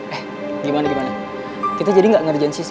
eh gimana gimana kita jadi nggak ngerjain siswa